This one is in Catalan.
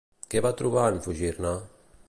Què va trobar, en fugir-ne?